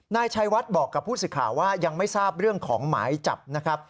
นายชัยวัดบอกกับผู้สื่อข่าวว่ายังไม่ทราบเรื่องของหมายจับนะครับ